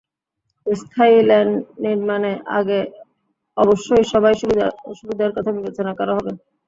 স্থায়ী লেন নির্মাণের আগে অবশ্যই সবার সুবিধা-অসুবিধার কথা বিবেচনা করা হবে।